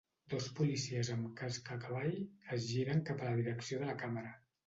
Dos policies amb casc a cavall es giren cap a la direcció de la càmera.